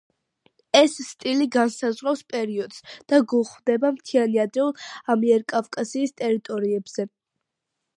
ეს სტილი განსაზღვრავს პერიოდს და გვხვდება მთიანი ადრეული ამიერკავკასიის ტერიტორიებზე.